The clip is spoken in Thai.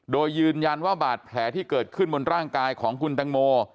โดยยืนยันว่าบาดแผลที่เกิดขึ้นบนร่างกายของคุณตังโม